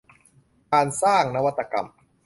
การสร้างนวัตกรรม